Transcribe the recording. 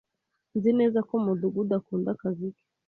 Nzi neza ko mudugudu akunda akazi ke.